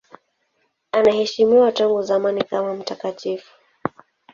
Anaheshimiwa tangu zamani kama mtakatifu.